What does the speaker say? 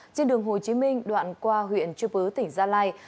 trên đường hồ chí minh đoạn qua huyện chư bứ tỉnh gia lai